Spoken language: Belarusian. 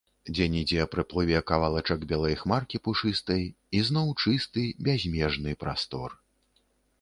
Дзе-нідзе праплыве кавалачак белай хмаркі пушыстай, і зноў чысты, бязмежны прастор.